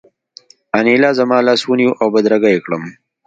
انیلا زما لاس ونیو او بدرګه یې کړم